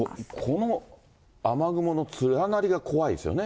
この雨雲の連なりが怖いですよね。